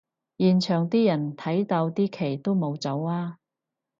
現場啲人睇到啲旗都冇走吖